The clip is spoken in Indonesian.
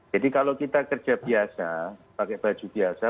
jadi kalau kita kerja biasa pakai baju biasa